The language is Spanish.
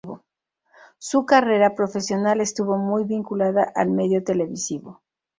Su carrera profesional estuvo muy vinculada al medio televisivo.